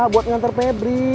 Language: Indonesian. buat ngantar pebri